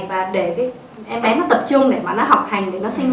và để em bé nó tập trung để mà nó học hành